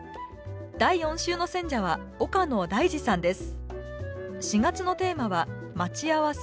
第４週の選者は岡野大嗣さんです